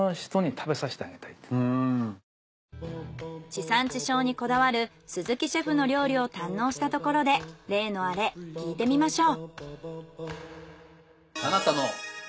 地産地消にこだわる鈴木シェフの料理を堪能したところで例のアレ聞いてみましょう。